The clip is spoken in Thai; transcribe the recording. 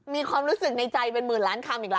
มีความรู้สึกในใจเป็นหมื่นล้านคำอีกแล้ว